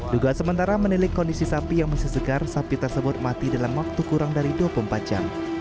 dugaan sementara menilik kondisi sapi yang masih segar sapi tersebut mati dalam waktu kurang dari dua puluh empat jam